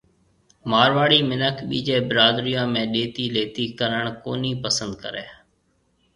مارواڙِي مِنک ٻيجي برادريون ۾ ڏيتي ليَتي ڪرڻ ڪونِي پسند ڪرَي